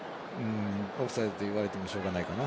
オフサイドと言われてもしょうがないかな。